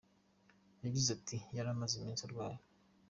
Yagize ati “Yari amaze iminsi arwaye.